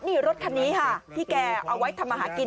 นี่รถคันนี้ค่ะที่แกเอาไว้ทำมาหากิน